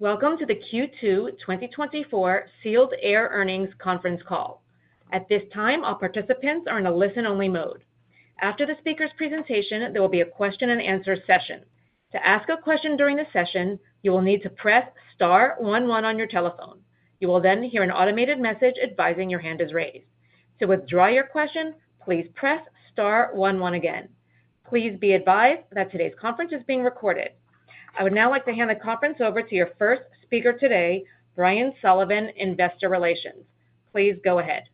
Welcome to the Q2 2024 Sealed Air Earnings Conference Call. At this time, all participants are in a listen-only mode. After the speaker's presentation, there will be a question-and-answer session. To ask a question during the session, you will need to press star one one on your telephone. You will then hear an automated message advising your hand is raised. To withdraw your question, please press star one one again. Please be advised that today's conference is being recorded. I would now like to hand the conference over to your first speaker today, Brian Sullivan, Investor Relations. Please go ahead.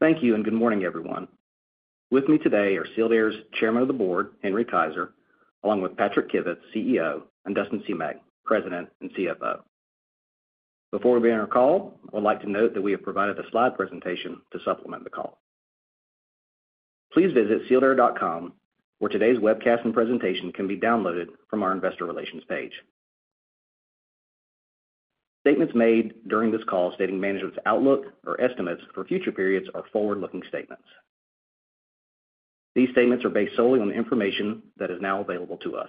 Thank you, and good morning, everyone. With me today are Sealed Air's Chairman of the Board, Henry Keizer, along with Patrick Kivits, CEO, and Dustin Semach, President and CFO. Before we begin our call, I would like to note that we have provided a slide presentation to supplement the call. Please visit sealedair.com, where today's webcast and presentation can be downloaded from our Investor Relations page. Statements made during this call stating management's outlook or estimates for future periods are forward-looking statements. These statements are based solely on the information that is now available to us.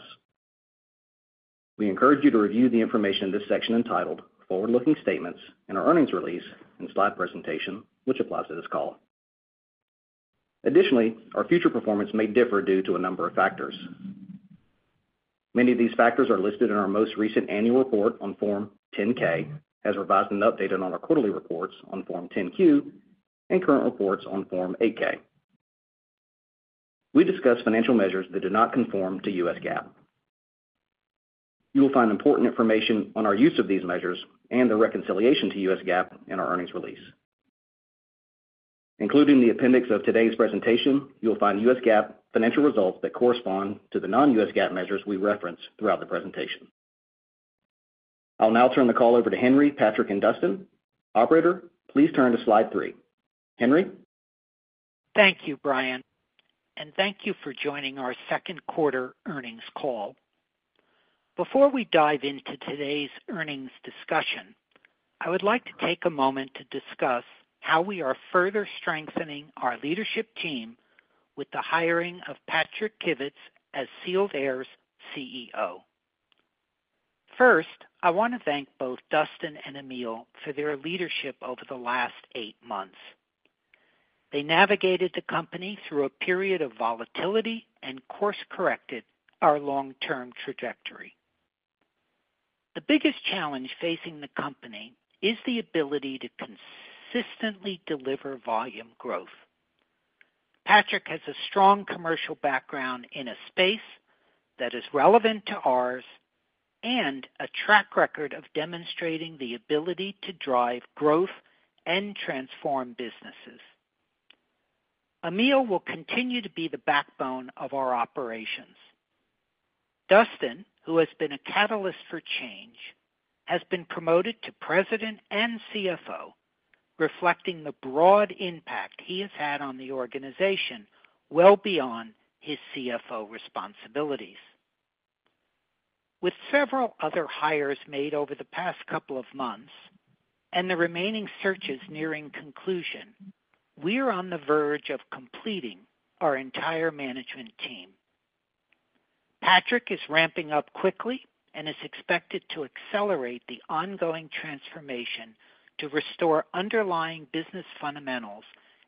We encourage you to review the information in this section entitled Forward-Looking Statements in our earnings release and slide presentation, which applies to this call. Additionally, our future performance may differ due to a number of factors. Many of these factors are listed in our most recent annual report on Form 10-K, as revised and updated on our quarterly reports on Form 10-Q, and current reports on Form 8-K. We discuss financial measures that do not conform to US GAAP. You will find important information on our use of these measures and the reconciliation to US GAAP in our earnings release. Including the appendix of today's presentation, you will find US GAAP financial results that correspond to the non-US GAAP measures we reference throughout the presentation. I'll now turn the call over to Henry, Patrick, and Dustin. Operator, please turn to slide 3. Henry? Thank you, Brian, and thank you for joining our second quarter earnings call. Before we dive into today's earnings discussion, I would like to take a moment to discuss how we are further strengthening our leadership team with the hiring of Patrick Kivits as Sealed Air's CEO. First, I want to thank both Dustin and Emile for their leadership over the last eight months. They navigated the company through a period of volatility and course-corrected our long-term trajectory. The biggest challenge facing the company is the ability to consistently deliver volume growth. Patrick has a strong commercial background in a space that is relevant to ours and a track record of demonstrating the ability to drive growth and transform businesses. Emile will continue to be the backbone of our operations. Dustin, who has been a catalyst for change, has been promoted to President and CFO, reflecting the broad impact he has had on the organization well beyond his CFO responsibilities. With several other hires made over the past couple of months and the remaining searches nearing conclusion, we are on the verge of completing our entire management team. Patrick is ramping up quickly and is expected to accelerate the ongoing transformation to restore underlying business fundamentals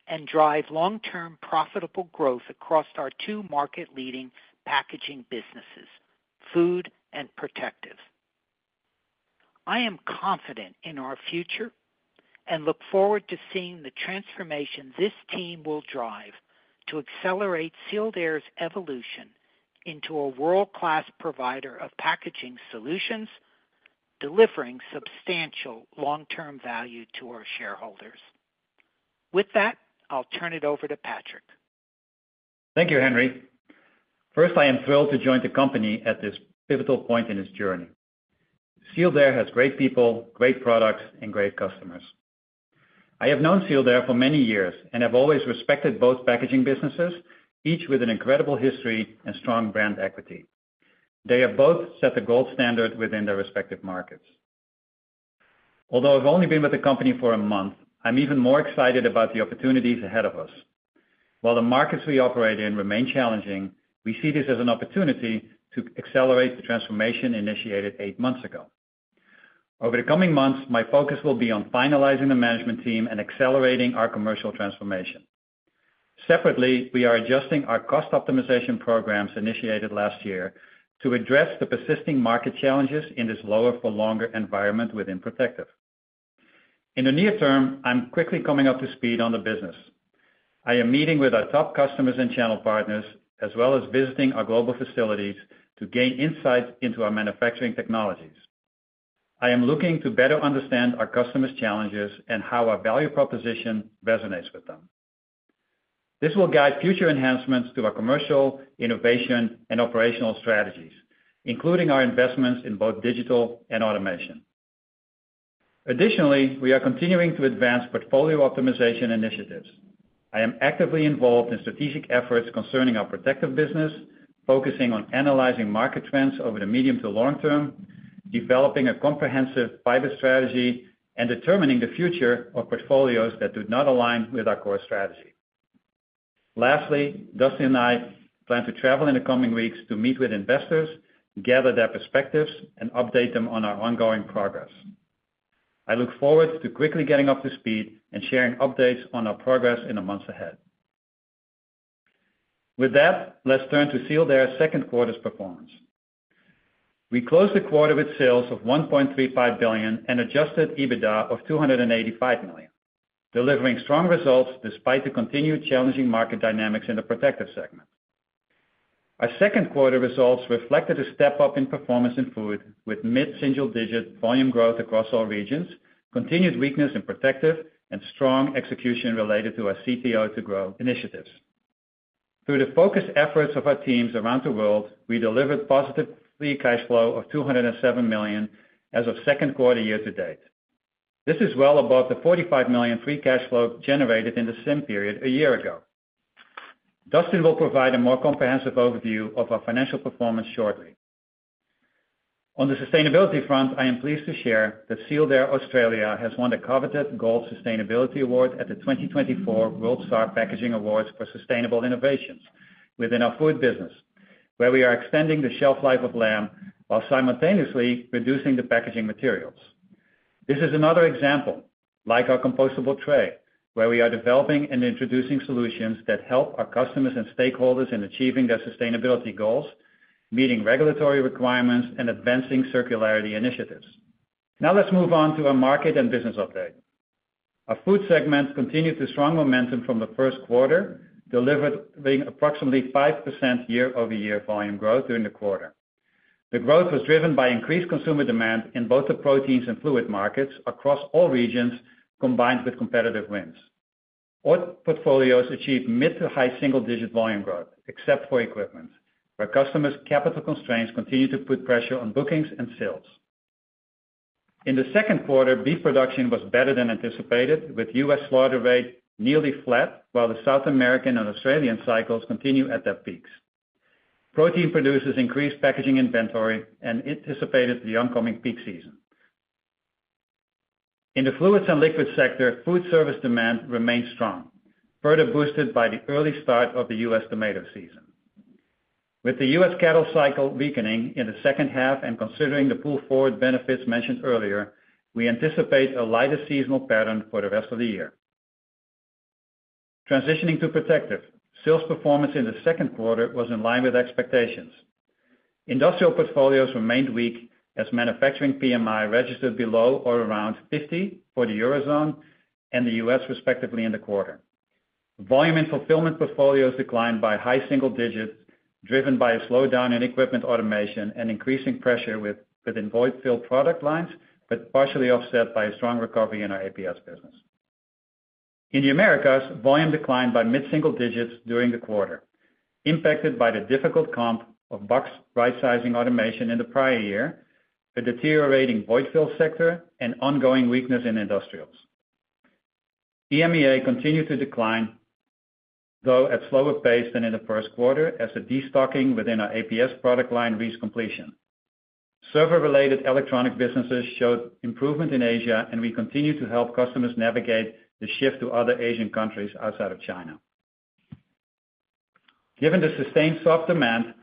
and drive long-term profitable growth across our two market-leading packaging businesses, food and protective. I am confident in our future and look forward to seeing the transformation this team will drive to accelerate Sealed Air's evolution into a world-class provider of packaging solutions, delivering substantial long-term value to our shareholders. With that, I'll turn it over to Patrick. Thank you, Henry. First, I am thrilled to join the company at this pivotal point in its journey. Sealed Air has great people, great products, and great customers. I have known Sealed Air for many years and have always respected both packaging businesses, each with an incredible history and strong brand equity. They have both set the gold standard within their respective markets. Although I've only been with the company for a month, I'm even more excited about the opportunities ahead of us. While the markets we operate in remain challenging, we see this as an opportunity to accelerate the transformation initiated eight months ago. Over the coming months, my focus will be on finalizing the management team and accelerating our commercial transformation. Separately, we are adjusting our cost optimization programs initiated last year to address the persisting market challenges in this lower-for-longer environment within Protective. In the near term, I'm quickly coming up to speed on the business. I am meeting with our top customers and channel partners, as well as visiting our global facilities to gain insight into our manufacturing technologies. I am looking to better understand our customers' challenges and how our value proposition resonates with them. This will guide future enhancements to our commercial, innovation, and operational strategies, including our investments in both digital and automation. Additionally, we are continuing to advance portfolio optimization initiatives. I am actively involved in strategic efforts concerning our protective business, focusing on analyzing market trends over the medium to long term, developing a comprehensive fiber strategy, and determining the future of portfolios that do not align with our core strategy. Lastly, Dustin and I plan to travel in the coming weeks to meet with investors, gather their perspectives, and update them on our ongoing progress. I look forward to quickly getting up to speed and sharing updates on our progress in the months ahead. With that, let's turn to Sealed Air's second quarter performance. We closed the quarter with sales of $1.35 billion and adjusted EBITDA of $285 million, delivering strong results despite the continued challenging market dynamics in the Protective segment. Our second quarter results reflected a step-up in performance in Food, with mid-single-digit volume growth across all regions, continued weakness in Protective, and strong execution related to our CTO2Grow initiatives. Through the focused efforts of our teams around the world, we delivered positive free cash flow of $207 million as of second quarter year to date. This is well above the $45 million free cash flow generated in the same period a year ago. Dustin will provide a more comprehensive overview of our financial performance shortly. On the sustainability front, I am pleased to share that Sealed Air Australia has won the coveted Gold Sustainability Award at the 2024 WorldStar Packaging Awards for sustainable innovations within our food business, where we are extending the shelf life of lamb while simultaneously reducing the packaging materials. This is another example, like our compostable tray, where we are developing and introducing solutions that help our customers and stakeholders in achieving their sustainability goals, meeting regulatory requirements, and advancing circularity initiatives. Now let's move on to our market and business update. Our food segment continued the strong momentum from the first quarter, delivering approximately 5% year-over-year volume growth during the quarter. The growth was driven by increased consumer demand in both the proteins and fluid markets across all regions, combined with competitive wins. All portfolios achieved mid- to high-single-digit volume growth, except for equipment, where customers' capital constraints continued to put pressure on bookings and sales. In the second quarter, beef production was better than anticipated, with U.S. slaughter rate nearly flat, while the South American and Australian cycles continue at their peaks. Protein producers increased packaging inventory and anticipated the oncoming peak season. In the fluids and liquids sector, food service demand remained strong, further boosted by the early start of the U.S. tomato season. With the U.S. cattle cycle weakening in the second half and considering the pull-forward benefits mentioned earlier, we anticipate a lighter seasonal pattern for the rest of the year. Transitioning to Protective, sales performance in the second quarter was in line with expectations. Industrial portfolios remained weak as manufacturing PMI registered below or around 50 for the Eurozone and the U.S., respectively, in the quarter. Volume and fulfillment portfolios declined by high single digits, driven by a slowdown in equipment automation and increasing pressure within void-fill product lines, but partially offset by a strong recovery in our APS business. In the Americas, volume declined by mid-single digits during the quarter, impacted by the difficult comp of box right-sizing automation in the prior year, the deteriorating void fill sector, and ongoing weakness in industrials. EMEA continued to decline, though at slower pace than in the first quarter, as the destocking within our APS product line reached completion. Server-related electronic businesses showed improvement in Asia, and we continue to help customers navigate the shift to other Asian countries outside of China. Given the sustained soft demand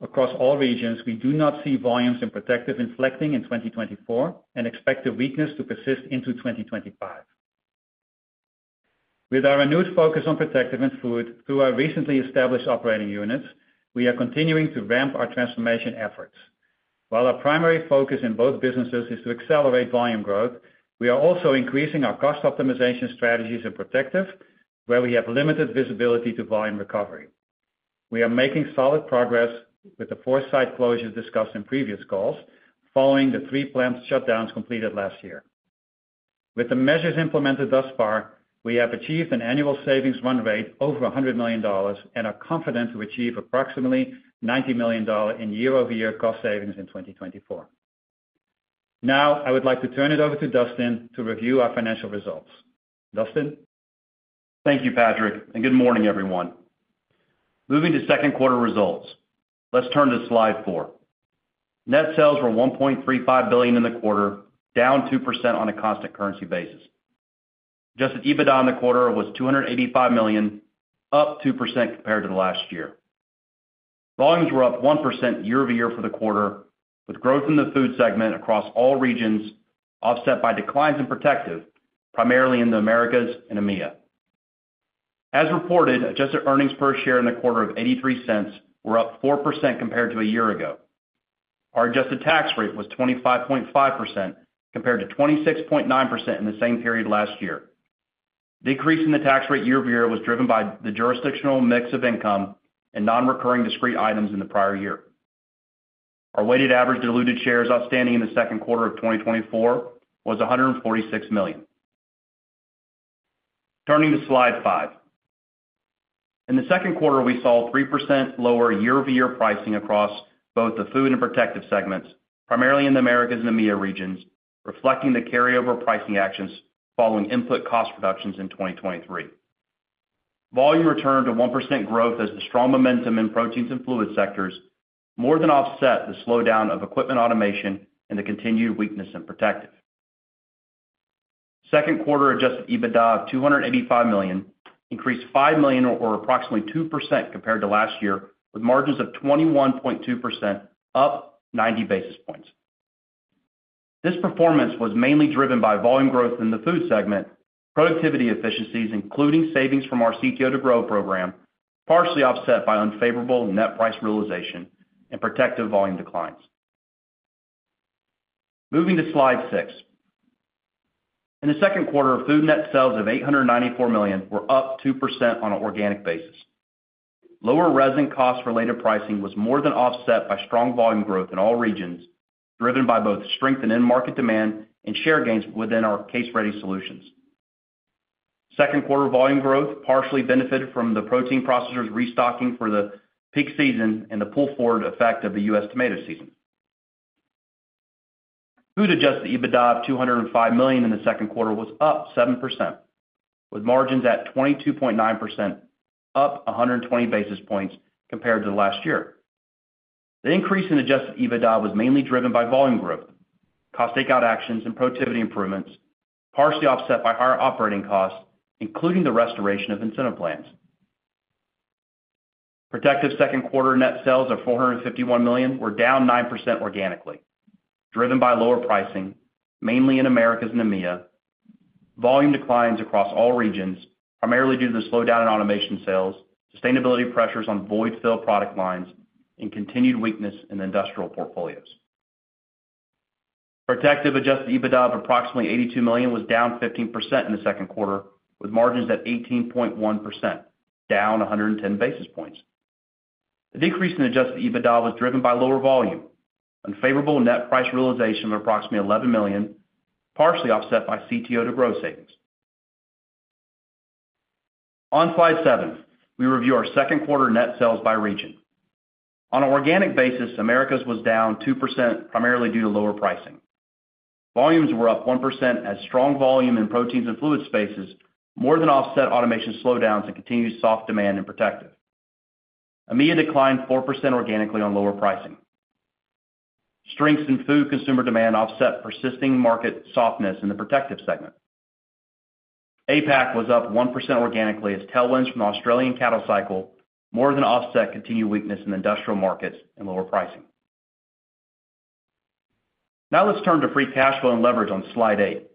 across all regions, we do not see volumes in Protective inflecting in 2024 and expect the weakness to persist into 2025. With our renewed focus on Protective and Food through our recently established operating units, we are continuing to ramp our transformation efforts. While our primary focus in both businesses is to accelerate volume growth, we are also increasing our cost optimization strategies in Protective, where we have limited visibility to volume recovery. We are making solid progress with the 4 site closures discussed in previous calls, following the 3 plant shutdowns completed last year. With the measures implemented thus far, we have achieved an annual savings run rate over $100 million and are confident to achieve approximately $90 million in year-over-year cost savings in 2024. Now, I would like to turn it over to Dustin to review our financial results. Dustin? Thank you, Patrick, and good morning, everyone. Moving to second quarter results, let's turn to slide 4. Net sales were $1.35 billion in the quarter, down 2% on a constant currency basis. Adjusted EBITDA in the quarter was $285 million, up 2% compared to last year. Volumes were up 1% year-over-year for the quarter, with growth in the Food segment across all regions, offset by declines in Protective, primarily in the Americas and EMEA. As reported, adjusted earnings per share in the quarter of $0.83 cents were up 4% compared to a year ago. Our adjusted tax rate was 25.5%, compared to 26.9% in the same period last year. Decrease in the tax rate year-over-year was driven by the jurisdictional mix of income and non-recurring discrete items in the prior year. Our weighted average diluted shares outstanding in the second quarter of 2024 was 146 million. Turning to Slide 5. In the second quarter, we saw 3% lower year-over-year pricing across both the food and protective segments, primarily in the Americas and EMEA regions, reflecting the carryover pricing actions following input cost reductions in 2023. Volume returned to 1% growth as the strong momentum in proteins and fluid sectors more than offset the slowdown of equipment automation and the continued weakness in protective. Second quarter Adjusted EBITDA of $285 million, increased $5 million or approximately 2% compared to last year, with margins of 21.2%, up 90 basis points. This performance was mainly driven by volume growth in the Food segment, productivity efficiencies, including savings from our CTO2Grow program, partially offset by unfavorable net price realization and Protective volume declines. Moving to Slide 6. In the second quarter, Food net sales of $894 million were up 2% on an organic basis. Lower resin cost-related pricing was more than offset by strong volume growth in all regions, driven by both strength and end market demand and share gains within our case-ready solutions. Second quarter volume growth partially benefited from the protein processors restocking for the peak season and the pull-forward effect of the U.S. tomato season. Food adjusted EBITDA of $205 million in the second quarter was up 7%, with margins at 22.9%, up 120 basis points compared to last year. The increase in adjusted EBITDA was mainly driven by volume growth, cost takeout actions, and productivity improvements, partially offset by higher operating costs, including the restoration of incentive plans. Protective second quarter net sales of $451 million were down 9% organically, driven by lower pricing, mainly in Americas and EMEA. Volume declines across all regions, primarily due to the slowdown in automation sales, sustainability pressures on void-fill product lines, and continued weakness in the industrial portfolios. Protective adjusted EBITDA of approximately $82 million was down 15% in the second quarter, with margins at 18.1%, down 110 basis points. The decrease in adjusted EBITDA was driven by lower volume, unfavorable net price realization of approximately $11 million, partially offset by CTO2Grow savings. On Slide 7, we review our second quarter net sales by region. On an organic basis, Americas was down 2%, primarily due to lower pricing. Volumes were up 1%, as strong volume in proteins and fluid spaces more than offset automation slowdowns and continued soft demand in protective. EMEA declined 4% organically on lower pricing. Strengths in food consumer demand offset persisting market softness in the protective segment. APAC was up 1% organically as tailwinds from the Australian cattle cycle more than offset continued weakness in industrial markets and lower pricing. Now let's turn to free cash flow and leverage on Slide 8.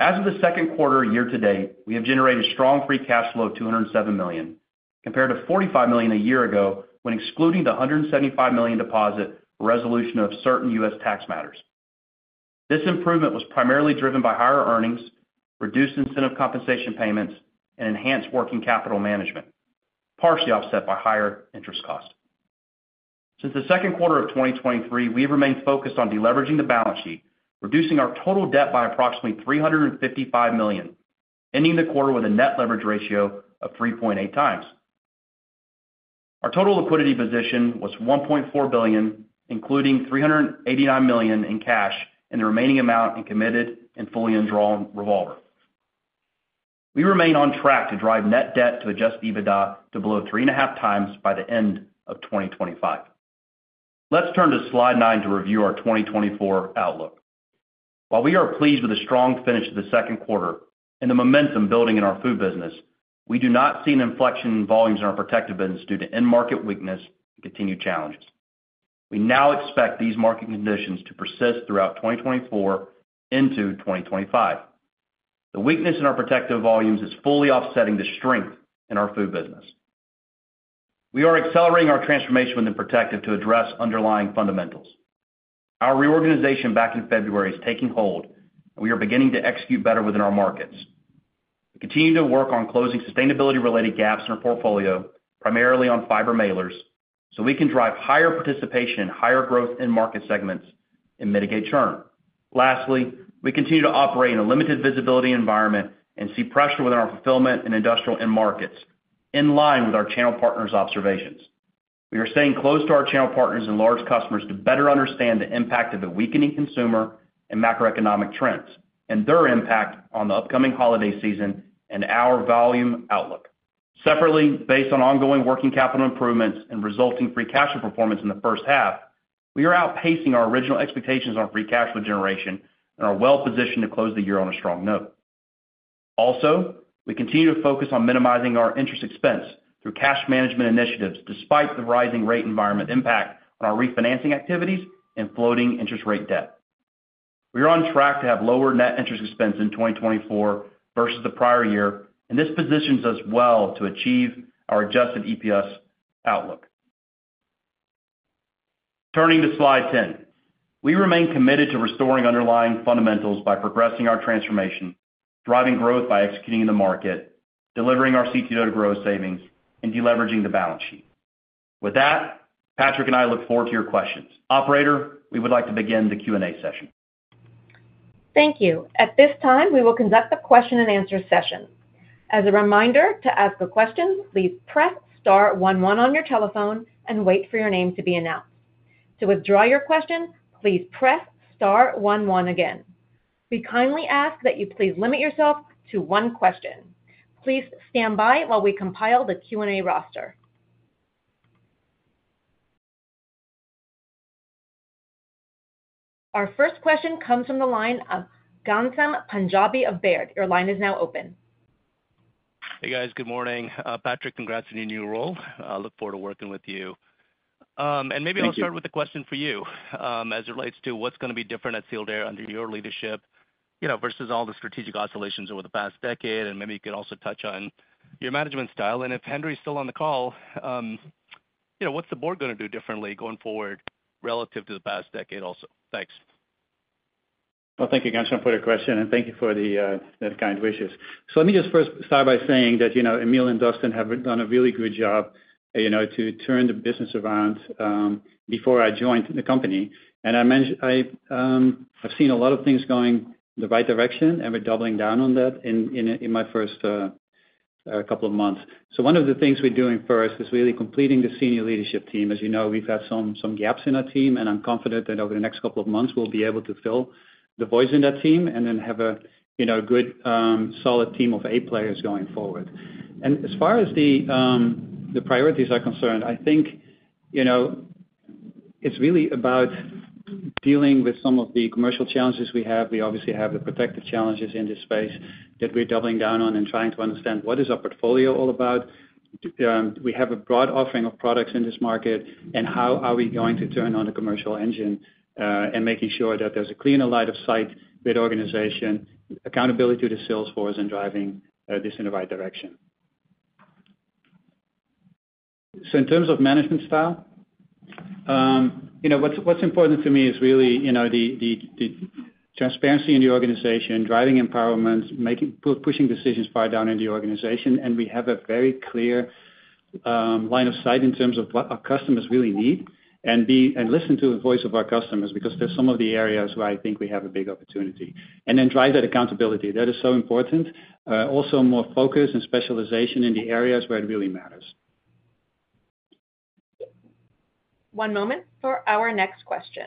As of the second quarter year to date, we have generated strong free cash flow of $207 million, compared to $45 million a year ago, when excluding the $175 million deposit resolution of certain U.S. tax matters. This improvement was primarily driven by higher earnings, reduced incentive compensation payments, and enhanced working capital management, partially offset by higher interest costs. Since the second quarter of 2023, we have remained focused on deleveraging the balance sheet, reducing our total debt by approximately $355 million, ending the quarter with a net leverage ratio of 3.8 times. Our total liquidity position was $1.4 billion, including $389 million in cash, and the remaining amount in committed and fully undrawn revolver. We remain on track to drive net debt to adjusted EBITDA to below 3.5x by the end of 2025. Let's turn to Slide 9 to review our 2024 outlook. While we are pleased with the strong finish of the second quarter and the momentum building in our Food business, we do not see an inflection in volumes in our Protective business due to end market weakness and continued challenges. We now expect these market conditions to persist throughout 2024 into 2025. The weakness in our Protective volumes is fully offsetting the strength in our Food business. We are accelerating our transformation within Protective to address underlying fundamentals. Our reorganization back in February is taking hold, and we are beginning to execute better within our markets. We continue to work on closing sustainability-related gaps in our portfolio, primarily on fiber mailers, so we can drive higher participation and higher growth in market segments and mitigate churn. Lastly, we continue to operate in a limited visibility environment and see pressure within our fulfillment and industrial end markets, in line with our channel partners' observations. We are staying close to our channel partners and large customers to better understand the impact of the weakening consumer and macroeconomic trends, and their impact on the upcoming holiday season and our volume outlook. Separately, based on ongoing working capital improvements and resulting free cash flow performance in the first half, we are outpacing our original expectations on free cash flow generation and are well positioned to close the year on a strong note. Also, we continue to focus on minimizing our interest expense through cash management initiatives, despite the rising rate environment impact on our refinancing activities and floating interest rate debt. We are on track to have lower net interest expense in 2024 versus the prior year, and this positions us well to achieve our adjusted EPS outlook. Turning to Slide 10. We remain committed to restoring underlying fundamentals by progressing our transformation, driving growth by executing in the market, delivering our CTO to grow savings, and deleveraging the balance sheet. With that, Patrick and I look forward to your questions. Operator, we would like to begin the Q&A session. Thank you. At this time, we will conduct a question-and-answer session. As a reminder, to ask a question, please press star one one on your telephone and wait for your name to be announced. To withdraw your question, please press star one one again. We kindly ask that you please limit yourself to one question. Please stand by while we compile the Q&A roster. Our first question comes from the line of Ghansham Panjabi of Baird. Your line is now open. Hey, guys. Good morning. Patrick, congrats on your new role. I look forward to working with you. And maybe- Thank you. I'll start with a question for you, as it relates to what's gonna be different at Sealed Air under your leadership, you know, versus all the strategic oscillations over the past decade, and maybe you could also touch on your management style. If Henry's still on the call, you know, what's the board gonna do differently going forward relative to the past decade also? Thanks. Well, thank you, Ghansham, for your question, and thank you for the kind wishes. So let me just first start by saying that, you know, Emile and Dustin have done a really good job, you know, to turn the business around before I joined the company. I've seen a lot of things going in the right direction, and we're doubling down on that in my first couple of months. So one of the things we're doing first is really completing the senior leadership team. As you know, we've had some gaps in our team, and I'm confident that over the next couple of months, we'll be able to fill the voids in that team and then have a, you know, good solid team of A players going forward. As far as the priorities are concerned, I think, you know, it's really about dealing with some of the commercial challenges we have. We obviously have the protective challenges in this space that we're doubling down on and trying to understand what is our portfolio all about. We have a broad offering of products in this market, and how are we going to turn on the commercial engine, and making sure that there's a cleaner line of sight with organization, accountability to the sales force, and driving this in the right direction. So in terms of management style, you know, what's important to me is really, you know, the transparency in the organization, driving empowerment, pushing decisions far down in the organization. We have a very clear line of sight in terms of what our customers really need and listen to the voice of our customers, because there's some of the areas where I think we have a big opportunity. Then drive that accountability. That is so important. Also more focus and specialization in the areas where it really matters. One moment for our next question.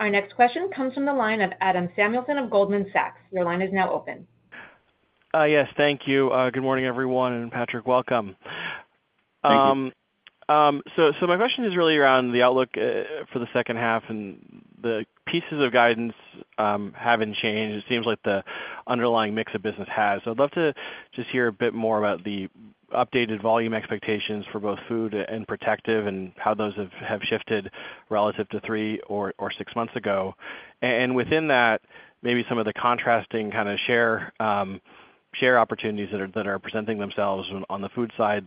Our next question comes from the line of Adam Samuelson of Goldman Sachs. Your line is now open. Yes, thank you. Good morning, everyone, and Patrick, welcome. Thank you. So my question is really around the outlook for the second half, and the pieces of guidance haven't changed. It seems like the underlying mix of business has. So I'd love to just hear a bit more about the updated volume expectations for both food and protective and how those have shifted relative to three or six months ago? Within that, maybe some of the contrasting kind of share opportunities that are presenting themselves on the food side,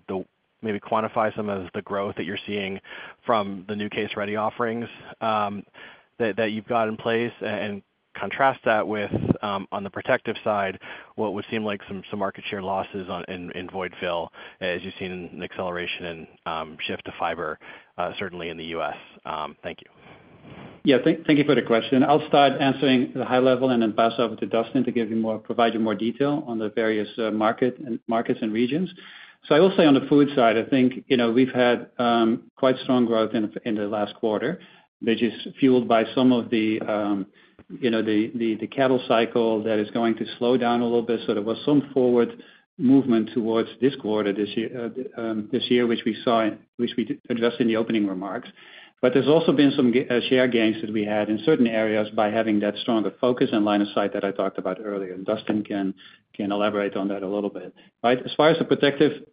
maybe quantify some of the growth that you're seeing from the new case-ready offerings that you've got in place, and contrast that with, on the protective side, what would seem like some market share losses in void fill, as you've seen an acceleration and shift to fiber, certainly in the U.S. Thank you. Yeah, thank, thank you for the question. I'll start answering the high level and then pass over to Dustin to give you more, provide you more detail on the various, market and markets and regions. So I will say on the food side, I think, you know, we've had, quite strong growth in, in the last quarter, which is fueled by some of the, you know, the, the, the cattle cycle that is going to slow down a little bit. So there was some forward movement towards this quarter this year, this year, which we saw, which we addressed in the opening remarks. But there's also been some share gains that we had in certain areas by having that stronger focus and line of sight that I talked about earlier, and Dustin can elaborate on that a little bit. Right, as far as the Protective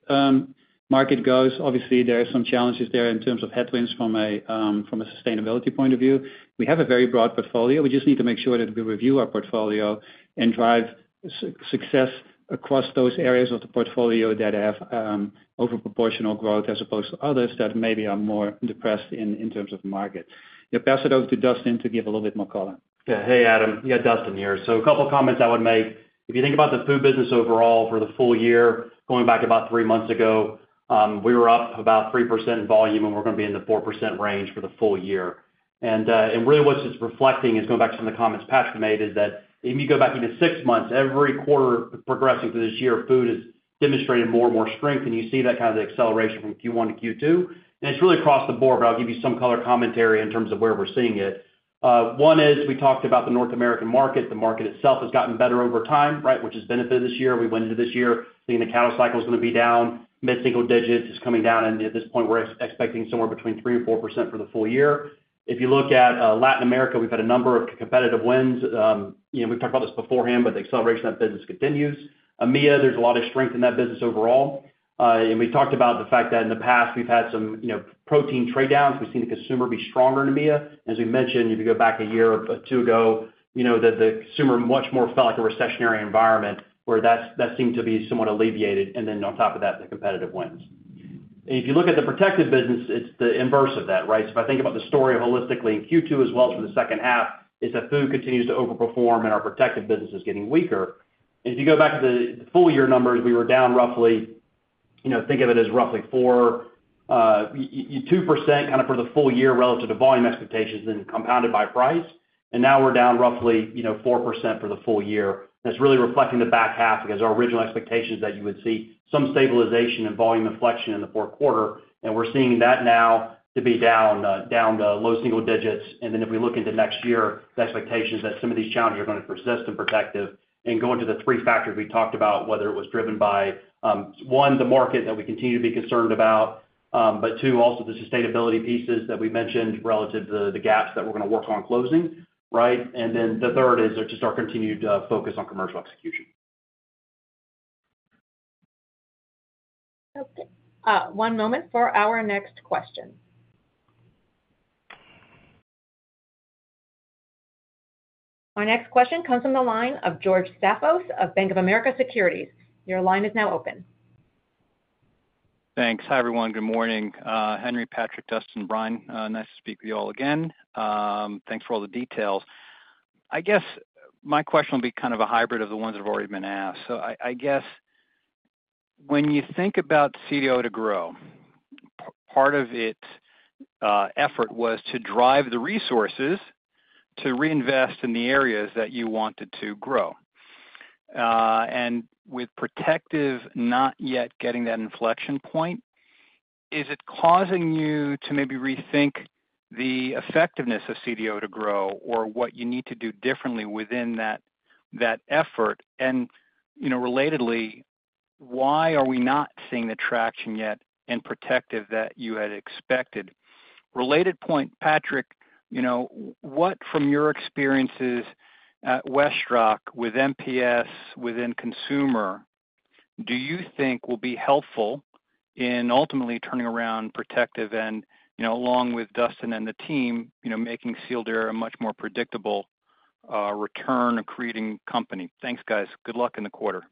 market goes, obviously, there are some challenges there in terms of headwinds from a sustainability point of view. We have a very broad portfolio. We just need to make sure that we review our portfolio and drive success across those areas of the portfolio that have overproportional growth, as opposed to others that maybe are more depressed in terms of market. I'll pass it over to Dustin to give a little bit more color. Yeah. Hey, Adam, you got Dustin here. So a couple comments I would make. If you think about the food business overall for the full year, going back about three months ago, we were up about 3% in volume, and we're gonna be in the 4% range for the full year. And, and really what's just reflecting is going back to some of the comments Patrick made, is that if you go back even six months, every quarter progressing through this year, food has demonstrated more and more strength, and you see that kind of acceleration from Q1 to Q2. And it's really across the board, but I'll give you some color commentary in terms of where we're seeing it. One is we talked about the North American market. The market itself has gotten better over time, right, which has benefited this year. We went into this year thinking the cattle cycle is gonna be down, mid-single digits. It's coming down, and at this point, we're expecting somewhere between 3%-4% for the full year. If you look at Latin America, we've had a number of competitive wins. You know, we've talked about this beforehand, but the acceleration of business continues. EMEA, there's a lot of strength in that business overall. And we talked about the fact that in the past we've had some, you know, protein trade downs. We've seen the consumer be stronger in EMEA. As we mentioned, if you go back a year or two ago, you know, that the consumer much more felt like a recessionary environment, where that's, that seemed to be somewhat alleviated, and then on top of that, the competitive wins. If you look at the protective business, it's the inverse of that, right? So if I think about the story holistically in Q2 as well as for the second half, is that food continues to overperform and our protective business is getting weaker. And if you go back to the full year numbers, we were down roughly, you know, think of it as roughly 4%, 2%, kind of for the full year relative to volume expectations and compounded by price. And now we're down roughly, you know, 4% for the full year. That's really reflecting the back half because our original expectations that you would see some stabilization and volume inflection in the fourth quarter, and we're seeing that now to be down, down to low single digits. And then if we look into next year, the expectations that some of these challenges are going to persist in Protective and go into the three factors we talked about, whether it was driven by, one, the market that we continue to be concerned about, but two, also the sustainability pieces that we mentioned relative to the gaps that we're gonna work on closing, right? And then the third is just our continued focus on commercial execution. Okay, one moment for our next question. Our next question comes from the line of George Staphos of Bank of America Securities. Your line is now open. Thanks. Hi, everyone. Good morning, Henry, Patrick, Dustin, Brian, nice to speak with you all again. Thanks for all the details. I guess my question will be kind of a hybrid of the ones that have already been asked. So I guess, when you think about CTO to grow, part of its effort was to drive the resources to reinvest in the areas that you wanted to grow. And with Protective, not yet getting that inflection point, is it causing you to maybe rethink the effectiveness of CTO to grow or what you need to do differently within that effort? And, you know, relatedly, why are we not seeing the traction yet in Protective that you had expected? Related point, Patrick, you know, what from your experiences at WestRock with MPS within consumer, do you think will be helpful in ultimately turning around protective and, you know, along with Dustin and the team, you know, making Sealed Air a much more predictable, return creating company? Thanks, guys. Good luck in the quarter.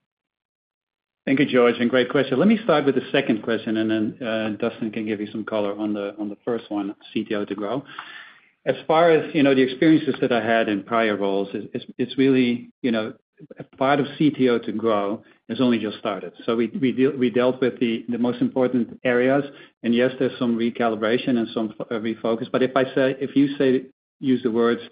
Thank you, George, and great question. Let me start with the second question, and then Dustin can give you some color on the first one, CTO to grow. As far as, you know, the experiences that I had in prior roles, it's really, you know, part of CTO to grow has only just started. So we dealt with the most important areas, and yes, there's some recalibration and some refocus. But if I say - if you say, use the words,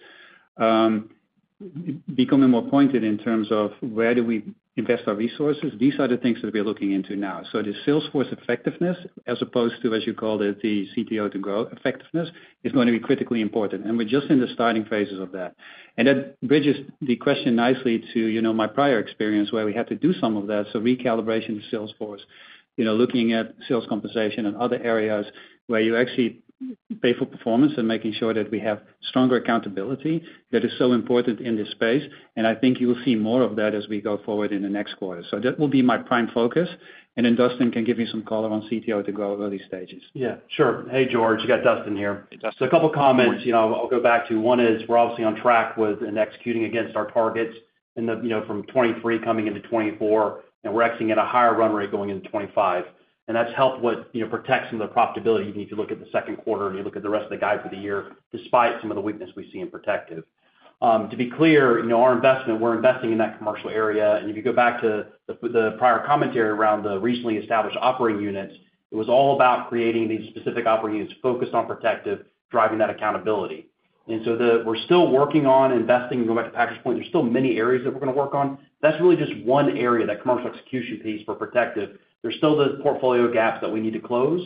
becoming more pointed in terms of where do we invest our resources, these are the things that we're looking into now. So the sales force effectiveness, as opposed to, as you called it, the CTO to grow effectiveness, is going to be critically important, and we're just in the starting phases of that. And that bridges the question nicely to, you know, my prior experience, where we had to do some of that. So recalibration of Salesforce, you know, looking at sales compensation and other areas where you actually pay for performance and making sure that we have stronger accountability that is so important in this space. And I think you will see more of that as we go forward in the next quarter. So that will be my prime focus, and then Dustin can give you some color on CTO to grow early stages. Yeah, sure. Hey, George, you got Dustin here. Hey, Dustin. So a couple of comments, you know, I'll go back to. One is we're obviously on track with and executing against our targets in the, you know, from 2023 coming into 2024, and we're executing at a higher run rate going into 2025. And that's helped with, you know, protecting the profitability, if you look at the second quarter, and you look at the rest of the guide for the year, despite some of the weakness we see in Protective. To be clear, you know, our investment, we're investing in that commercial area. And if you go back to the prior commentary around the recently established operating units, it was all about creating these specific operating units focused on Protective, driving that accountability. And so we're still working on investing. To go back to Patrick's point, there's still many areas that we're gonna work on. That's really just one area, that commercial execution piece for Protective. There's still those portfolio gaps that we need to close.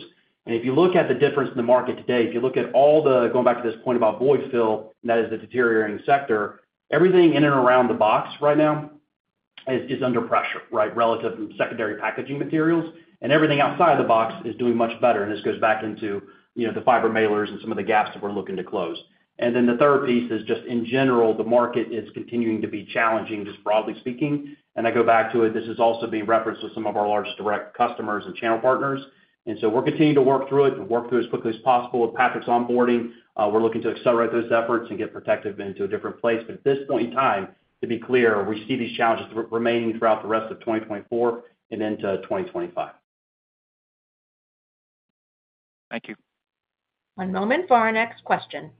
If you look at the difference in the market today, if you look at all the, going back to this point about void fill, and that is the deteriorating sector, everything in and around the box right now is, is under pressure, right? Relative to secondary packaging materials, and everything outside the box is doing much better, and this goes back into, you know, the fiber mailers and some of the gaps that we're looking to close. The third piece is just, in general, the market is continuing to be challenging, just broadly speaking. I go back to it, this is also being referenced with some of our largest direct customers and channel partners. We're continuing to work through it, to work through as quickly as possible. With Patrick's onboarding, we're looking to accelerate those efforts and get Protective into a different place. But at this point in time, to be clear, we see these challenges remaining throughout the rest of 2024 and into 2025. Thank you. One moment for our next question.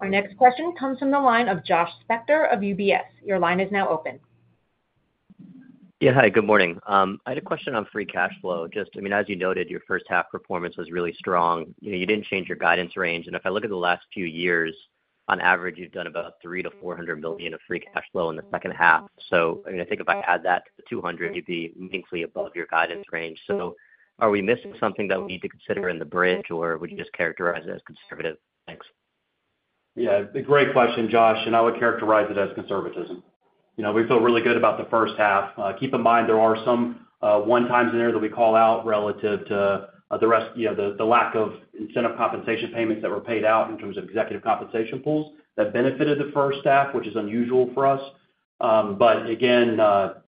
Our next question comes from the line of Josh Spector of UBS. Your line is now open. Yeah. Hi, good morning. I had a question on free cash flow. Just, I mean, as you noted, your first half performance was really strong. You know, you didn't change your guidance range, and if I look at the last few years, on average, you've done about $300 million-$400 million of free cash flow in the second half. So, I mean, I think if I add that to the $200 million, you'd be meaningfully above your guidance range. So are we missing something that we need to consider in the bridge, or would you just characterize it as conservative? Thanks. Yeah, great question, Josh, and I would characterize it as conservatism. You know, we feel really good about the first half. Keep in mind, there are some one times in there that we call out relative to the rest, you know, the lack of incentive compensation payments that were paid out in terms of executive compensation pools that benefited the first half, which is unusual for us. But again,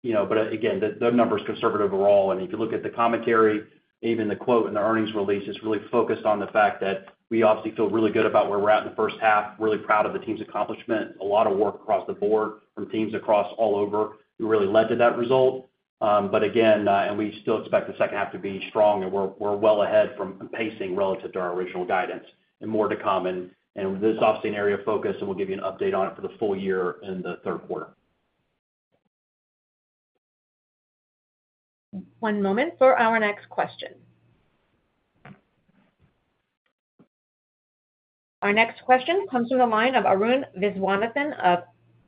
you know, but again, the number's conservative overall, and if you look at the commentary, even the quote in the earnings release, it's really focused on the fact that we obviously feel really good about where we're at in the first half, really proud of the team's accomplishment. A lot of work across the board from teams across all over, who really led to that result. But again, we still expect the second half to be strong, and we're well ahead from pacing relative to our original guidance and more to come. This is obviously an area of focus, and we'll give you an update on it for the full year in the third quarter. One moment for our next question. Our next question comes from the line of Arun Viswanathan of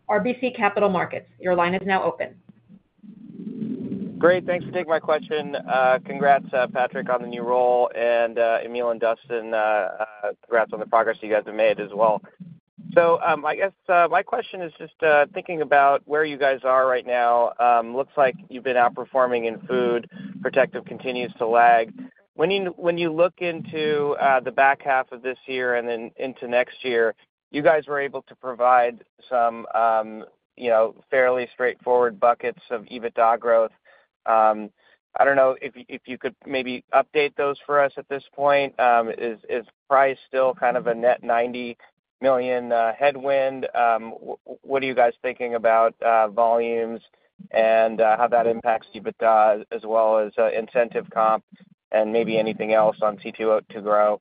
RBC Capital Markets. Your line is now open. Great, thanks for taking my question. Congrats, Patrick, on the new role, and, Emile and Dustin, congrats on the progress you guys have made as well. So, I guess, my question is just thinking about where you guys are right now. Looks like you've been outperforming in food, protective continues to lag. When you, when you look into the back half of this year and then into next year, you guys were able to provide some, you know, fairly straightforward buckets of EBITDA growth. I don't know if, if you could maybe update those for us at this point. Is, is price still kind of a net $90 million headwind? What are you guys thinking about volumes and how that impacts EBITDA, as well as incentive comp and maybe anything else on CTO2Grow?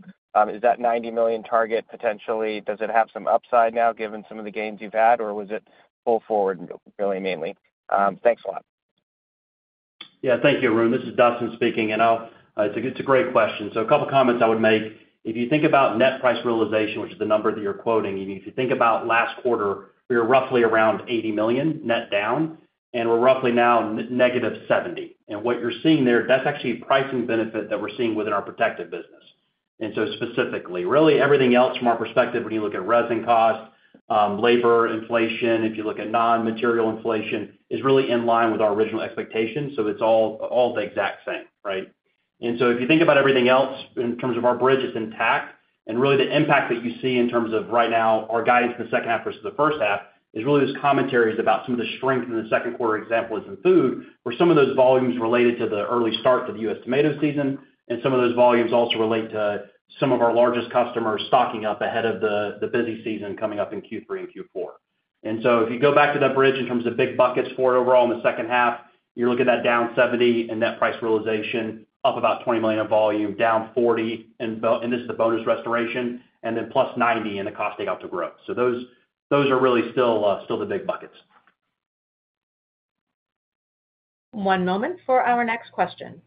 Is that $90 million target potentially does it have some upside now, given some of the gains you've had, or was it pull forward really, mainly? Thanks a lot. Yeah, thank you, Arun. This is Dustin speaking, and it's a great question. So a couple comments I would make. If you think about net price realization, which is the number that you're quoting, and if you think about last quarter, we were roughly around $80 million net down, and we're roughly now -$70 million. And what you're seeing there, that's actually a pricing benefit that we're seeing within our protective business. And so specifically, really everything else from our perspective, when you look at resin costs, labor inflation, if you look at non-material inflation, is really in line with our original expectations. So it's all, all the exact same, right? And so if you think about everything else in terms of our bridge, it's intact. Really, the impact that you see in terms of right now, our guidance for the second half versus the first half, is really those commentaries about some of the strength in the second quarter. Example, is in food, where some of those volumes related to the early start to the U.S. tomato season, and some of those volumes also relate to some of our largest customers stocking up ahead of the busy season coming up in Q3 and Q4. And so if you go back to that bridge in terms of big buckets for it overall in the second half, you're looking at that down $70 million and net price realization, up about $20 million in volume, down $40 million, and volume restoration, and then +$90 million in the Cost Take-out to Grow. So those are really still the big buckets. One moment for our next question.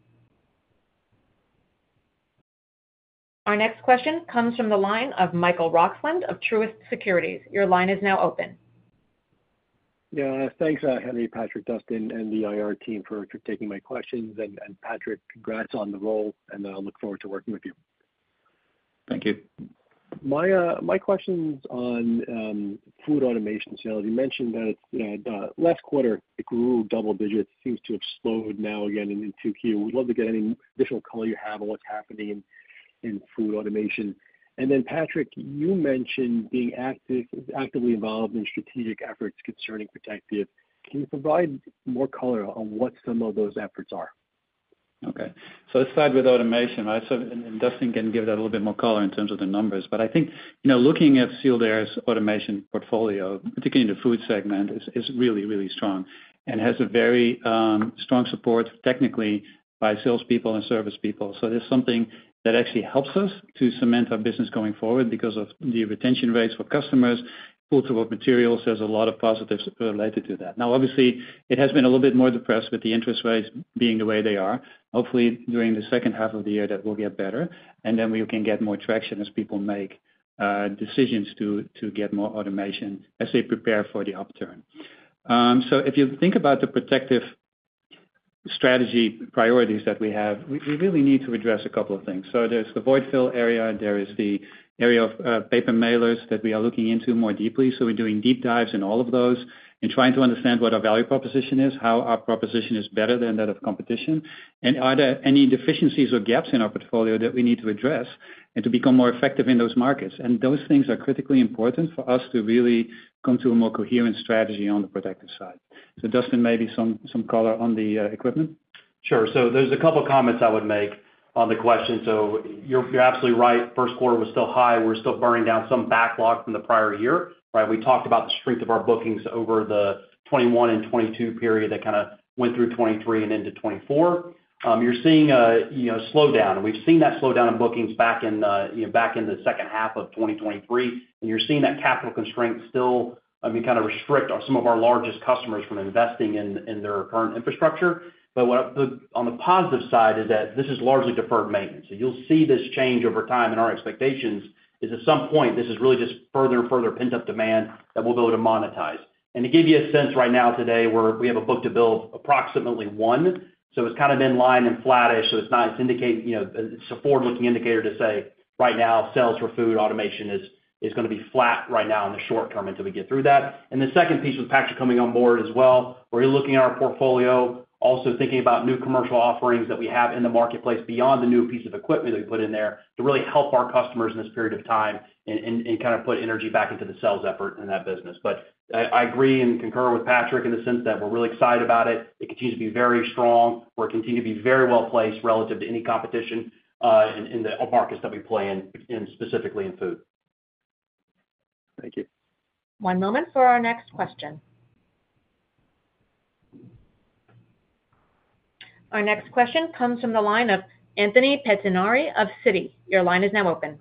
Our next question comes from the line of Michael Roxland of Truist Securities. Your line is now open. Yeah, thanks, Henry, Patrick, Dustin, and the IR team for taking my questions. And Patrick, congrats on the role, and I look forward to working with you. Thank you. My, my question's on food automation sales. You mentioned that last quarter, it grew double digits, seems to have slowed now again in Q2. We'd love to get any additional color you have on what's happening in food automation. And then, Patrick, you mentioned being actively involved in strategic efforts concerning protective. Can you provide more color on what some of those efforts are? Okay. So let's start with automation, right? So, Dustin can give that a little bit more color in terms of the numbers. But I think, you know, looking at Sealed Air's automation portfolio, particularly in the food segment, is really, really strong and has a very strong support technically by salespeople and service people. So it's something that actually helps us to cement our business going forward because of the retention rates for customers, pull through of materials. There's a lot of positives related to that. Now, obviously, it has been a little bit more depressed with the interest rates being the way they are. Hopefully, during the second half of the year, that will get better, and then we can get more traction as people make decisions to get more automation as they prepare for the upturn. So if you think about the Protective strategy priorities that we have, we really need to address a couple of things. So there's the void fill area, there is the area of paper mailers that we are looking into more deeply. So we're doing deep dives in all of those and trying to understand what our value proposition is, how our proposition is better than that of competition, and are there any deficiencies or gaps in our portfolio that we need to address and to become more effective in those markets? And those things are critically important for us to really come to a more coherent strategy on the Protective side. So Dustin, maybe some color on the equipment. Sure. So there's a couple comments I would make on the question. So you're absolutely right. First quarter was still high. We're still burning down some backlog from the prior year, right? We talked about the strength of our bookings over the 2021 and 2022 period that kind of went through 2023 and into 2024. You're seeing a, you know, slowdown, and we've seen that slowdown in bookings back in, you know, back in the second half of 2023. And you're seeing that capital constraint still, I mean, kind of restrict on some of our largest customers from investing in their current infrastructure. But on the positive side is that this is largely deferred maintenance. So you'll see this change over time, and our expectations is, at some point, this is really just further and further pent-up demand that we'll be able to monetize. And to give you a sense right now, today, we have a book-to-bill approximately 1. So it's kind of in line and flattish, so it's not indicating, you know, it's a forward-looking indicator to say right now, sales for food automation is gonna be flat right now in the short term until we get through that. The second piece with Patrick coming on board as well, we're looking at our portfolio, also thinking about new commercial offerings that we have in the marketplace beyond the new piece of equipment that we put in there, to really help our customers in this period of time and kind of put energy back into the sales effort in that business. But I agree and concur with Patrick in the sense that we're really excited about it. It continues to be very strong. We're continuing to be very well placed relative to any competition, in the markets that we play in, specifically in food. Thank you. One moment for our next question. Our next question comes from the line of Anthony Pettinari of Citi. Your line is now open.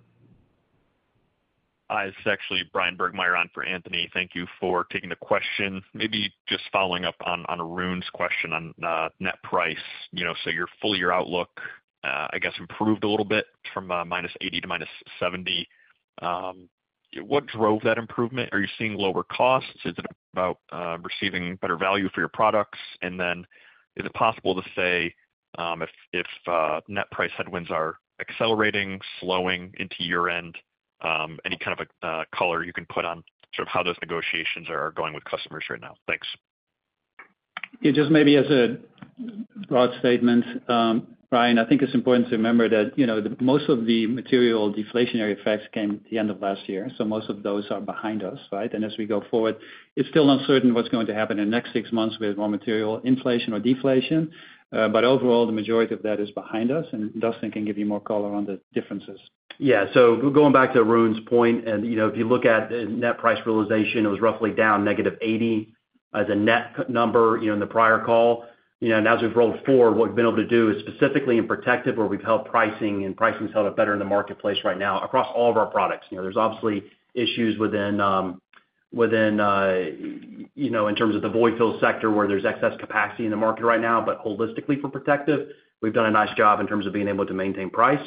It's actually Bryan Burgmeier on for Anthony. Thank you for taking the question. Maybe just following up on Arun's question on net price. You know, so your full year outlook, I guess, improved a little bit from minus eighty to minus seventy. What drove that improvement? Are you seeing lower costs? Is it about receiving better value for your products? And then, is it possible to say if net price headwinds are accelerating, slowing into year-end, any kind of a color you can put on sort of how those negotiations are going with customers right now? Thanks. Yeah, just maybe as a broad statement, Brian, I think it's important to remember that, you know, the most of the material deflationary effects came at the end of last year, so most of those are behind us, right? And as we go forward, it's still uncertain what's going to happen in the next six months with more material inflation or deflation. But overall, the majority of that is behind us, and Dustin can give you more color on the differences. Yeah. So going back to Arun's point, and, you know, if you look at the Net Price Realization, it was roughly down -80 as a net number, you know, in the prior call. You know, and as we've rolled forward, what we've been able to do is specifically in Protective, where we've held pricing, and pricing held up better in the marketplace right now across all of our products. You know, there's obviously issues within, within, you know, in terms of the void fill sector, where there's excess capacity in the market right now. But holistically, for Protective, we've done a nice job in terms of being able to maintain price.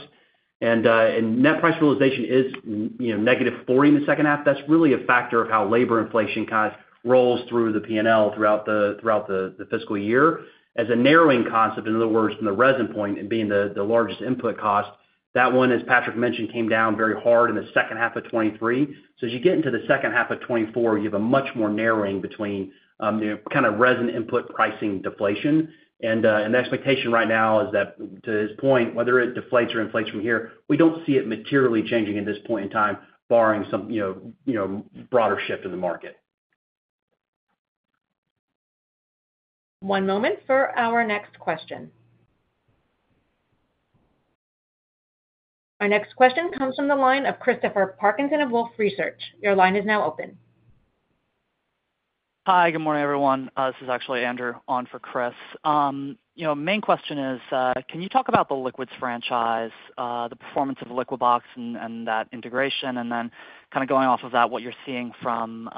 And, and Net Price Realization is, you know, -40 in the second half. That's really a factor of how labor inflation kind of rolls through the P&L throughout the fiscal year. As a narrowing concept, in other words, from the resin point and being the largest input cost, that one, as Patrick mentioned, came down very hard in the second half of 2023. So as you get into the second half of 2024, you have a much more narrowing between, you know, kind of resin input, pricing, deflation. And the expectation right now is that, to his point, whether it deflates or inflates from here, we don't see it materially changing at this point in time, barring some, you know, broader shift in the market. One moment for our next question. Our next question comes from the line of Christopher Parkinson of Wolfe Research. Your line is now open. Hi, good morning, everyone. This is actually Andrew on for Chris. You know, main question is, can you talk about the liquids franchise, the performance of the Liquibox and, and that integration, and then kind of going off of that, what you're seeing from,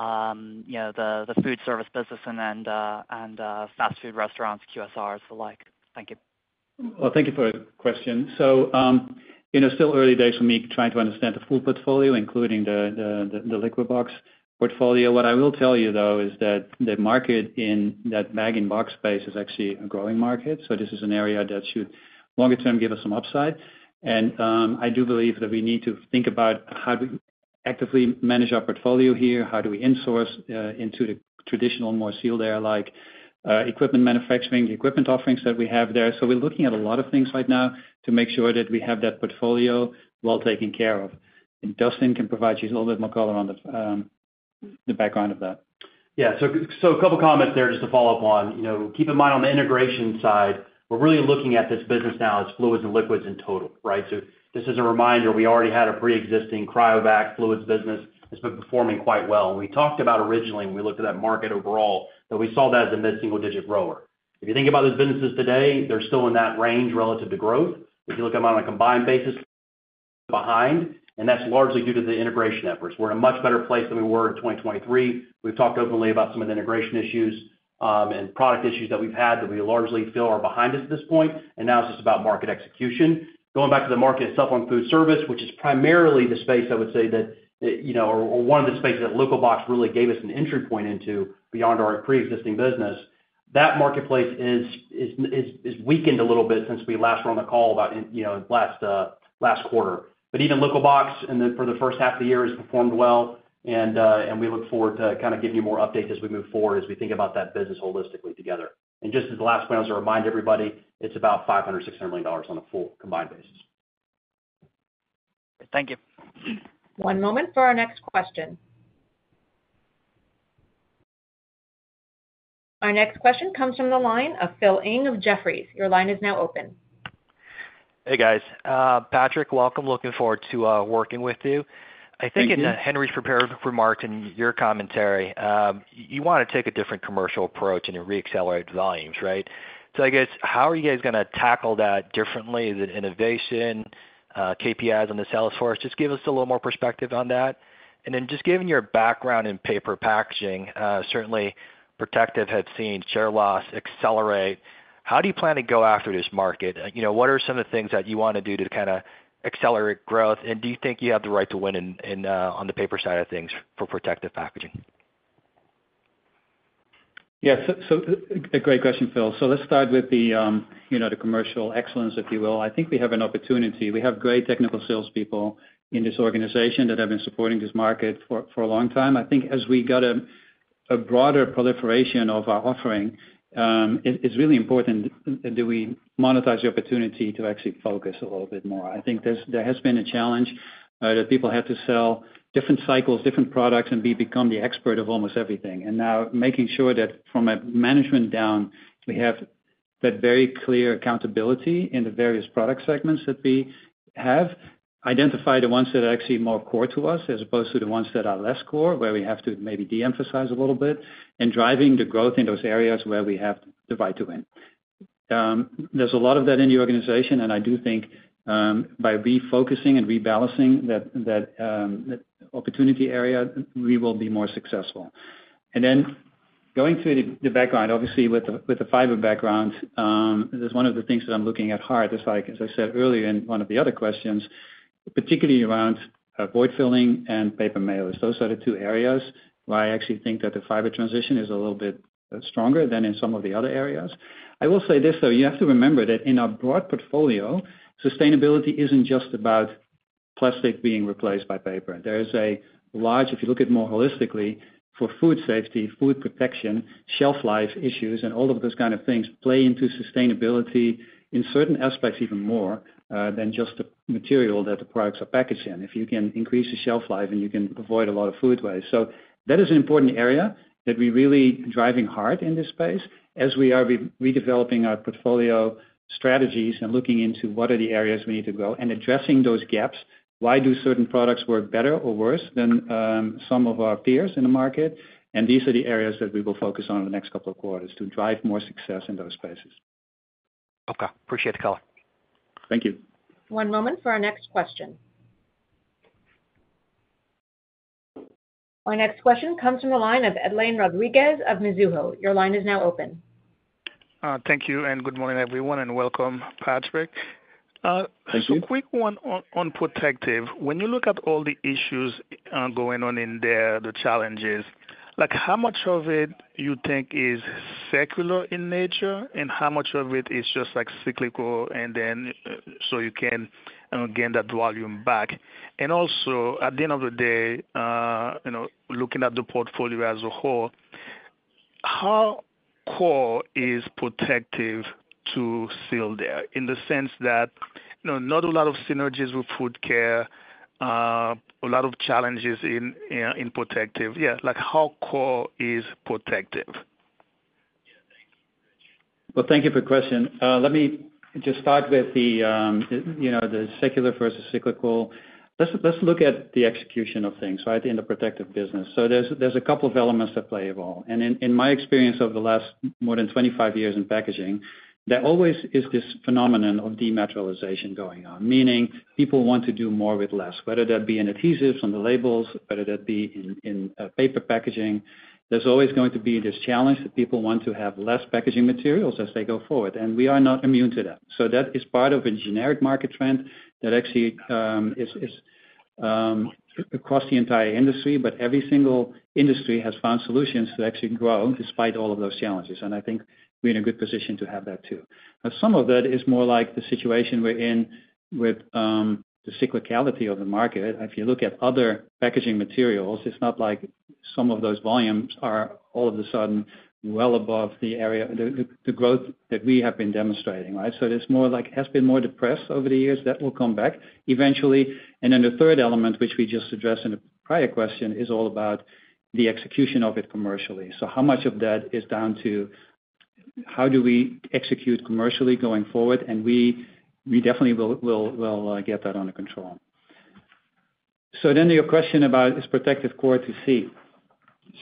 you know, the, the food service business and then, and, fast food restaurants, QSRs, the like? Thank you. Well, thank you for the question. So, you know, still early days for me trying to understand the full portfolio, including the Liquibox portfolio. What I will tell you, though, is that the market in that bag-in-box space is actually a growing market, so this is an area that should, longer term, give us some upside. And, I do believe that we need to think about how do we actively manage our portfolio here? How do we in-source into the traditional Sealed Air there, like equipment manufacturing, the equipment offerings that we have there. So we're looking at a lot of things right now to make sure that we have that portfolio well taken care of. And Dustin can provide you a little bit more color on the background of that. Yeah, so, so a couple comments there, just to follow up on. You know, keep in mind, on the integration side, we're really looking at this business now as fluids and liquids in total, right? So just as a reminder, we already had a pre-existing Cryovac fluids business. It's been performing quite well. And we talked about originally, when we looked at that market overall, that we saw that as a mid-single-digit grower. If you think about those businesses today, they're still in that range relative to growth. If you look at them on a combined basis behind, and that's largely due to the integration efforts. We're in a much better place than we were in 2023. We've talked openly about some of the integration issues and product issues that we've had, that we largely feel are behind us at this point, and now it's just about market execution. Going back to the market itself on food service, which is primarily the space, I would say, that you know or one of the spaces that Liquibox really gave us an entry point into beyond our pre-existing business, that marketplace is weakened a little bit since we last were on the call about in, you know, last quarter. But even Liquibox, and then for the first half of the year, has performed well, and we look forward to kind of giving you more updates as we move forward, as we think about that business holistically together. Just as the last point, I want to remind everybody, it's about $500 million-$600 million on a full combined basis. Thank you. One moment for our next question. Our next question comes from the line of Phil Ng of Jefferies. Your line is now open. Hey, guys. Patrick, welcome. Looking forward to working with you. Thank you. I think in Henry's prepared remarks and your commentary, you want to take a different commercial approach and reaccelerate volumes, right? So I guess, how are you guys gonna tackle that differently? Is it innovation, KPIs on the sales force? Just give us a little more perspective on that. And then just given your background in paper packaging, certainly Protective had seen share loss accelerate. How do you plan to go after this market? You know, what are some of the things that you want to do to kind of accelerate growth, and do you think you have the right to win in on the paper side of things for Protective Packaging? Yeah, so a great question, Phil. So let's start with the, you know, the commercial excellence, if you will. I think we have an opportunity. We have great technical salespeople in this organization that have been supporting this market for a long time. I think as we get a broader proliferation of our offering, it is really important that we monetize the opportunity to actually focus a little bit more. I think there has been a challenge that people have to sell different cycles, different products, and become the expert of almost everything. And now making sure that from a management down, we have that very clear accountability in the various product segments that we have, identify the ones that are actually more core to us, as opposed to the ones that are less core, where we have to maybe de-emphasize a little bit, and driving the growth in those areas where we have the right to win. There's a lot of that in the organization, and I do think, by refocusing and rebalancing that opportunity area, we will be more successful. And then going through the background, obviously, with the fiber background, is one of the things that I'm looking at hard, just like, as I said earlier in one of the other questions, particularly around, void filling and paper mailers. Those are the two areas where I actually think that the fiber transition is a little bit stronger than in some of the other areas. I will say this, though: you have to remember that in our broad portfolio, sustainability isn't just about plastic being replaced by paper. There is a large, if you look at it more holistically, for food safety, food protection, shelf life issues, and all of those kind of things play into sustainability in certain aspects even more than just the material that the products are packaged in, if you can increase the shelf life, and you can avoid a lot of food waste. So that is an important area that we're really driving hard in this space, as we are redeveloping our portfolio strategies and looking into what are the areas we need to grow and addressing those gaps. Why do certain products work better or worse than some of our peers in the market? These are the areas that we will focus on in the next couple of quarters to drive more success in those spaces. Okay, appreciate the call. Thank you. One moment for our next question. Our next question comes from the line of Edlain Rodriguez of Mizuho. Your line is now open. Thank you, and good morning, everyone, and welcome, Patrick. Thank you. So quick one on, on Protective. When you look at all the issues, going on in there, the challenges, like, how much of it you think is secular in nature, and how much of it is just, like, cyclical, and then, so you can gain that volume back? And also, at the end of the day, you know, looking at the portfolio as a whole, how core is Protective to Sealed Air? In the sense that, you know, not a lot of synergies with Food Care, a lot of challenges in, in Protective. Yeah, like, how core is Protective? Well, thank you for the question. Let me just start with the, you know, the secular versus cyclical. Let's look at the execution of things, right, in the Protective business. So there's a couple of elements at play involved. And in my experience over the last more than 25 years in packaging, there always is this phenomenon of dematerialization going on, meaning people want to do more with less, whether that be in adhesives, on the labels, whether that be in paper packaging. There's always going to be this challenge that people want to have less packaging materials as they go forward, and we are not immune to that. So that is part of a generic market trend that actually is across the entire industry, but every single industry has found solutions to actually grow despite all of those challenges. I think we're in a good position to have that, too. Now, some of that is more like the situation we're in with the cyclicality of the market. If you look at other packaging materials, it's not like some of those volumes are all of a sudden well above the growth that we have been demonstrating, right? So it's more like has been more depressed over the years, that will come back eventually. And then the third element, which we just addressed in a prior question, is all about the execution of it commercially. So how much of that is down to how do we execute commercially going forward? And we definitely will get that under control. So then to your question about is Protective core to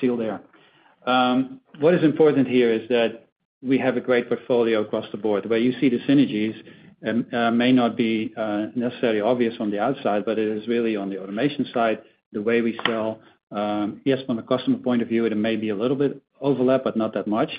Sealed Air there. What is important here is that we have a great portfolio across the board. The way you see the synergies may not be necessarily obvious from the outside, but it is really on the automation side, the way we sell. Yes, from a customer point of view, it may be a little bit overlap, but not that much.